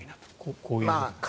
こういうことですね。